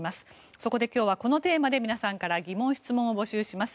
そこで今日はこのテーマで皆さんから疑問・質問を募集します。